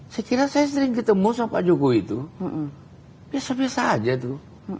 saya kira saya sering ketemu sama pak jokowi itu biasa biasa aja tuh